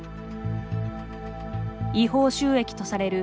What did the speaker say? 違法収益とされる